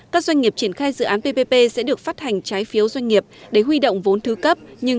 các doanh nghiệp triển khai dự án ppp sẽ được phát hành trái phiếu doanh nghiệp để huy động vốn thứ cấp nhưng không được phát hành cổ phiếu đại chúng